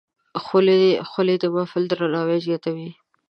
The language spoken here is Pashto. خولۍ د محفل درناوی زیاتوي.